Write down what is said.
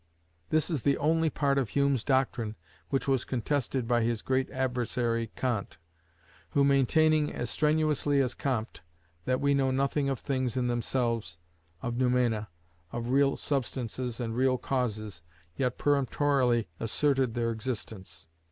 This is the only part of Hume's doctrine which was contested by his great adversary, Kant; who, maintaining as strenuously as Comte that we know nothing of Things in themselves, of Noumena, of real Substances and real Causes, yet peremptorily asserted their existence.